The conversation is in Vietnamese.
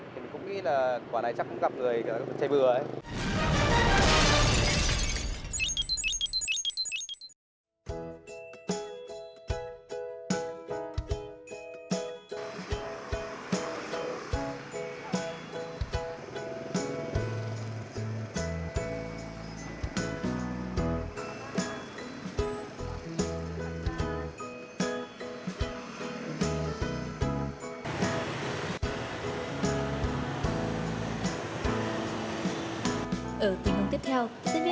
thì mình cũng nghĩ là quán này chắc cũng gặp người chảy bừa ấy